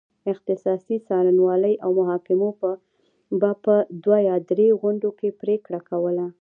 اختصاصي څارنوالۍ او محاکمو به په دوه یا درې غونډو کې پرېکړه کوله.